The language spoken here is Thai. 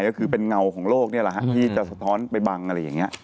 ก็คือเป็นเงาของโลกนี่แหละฮะที่จะสะท้อนไปบังอะไรอย่างนี้